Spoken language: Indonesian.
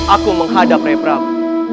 aku menghadap rai prabu